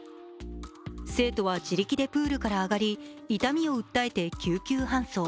生徒は自力でプールからあがり痛みを訴えて救急搬送。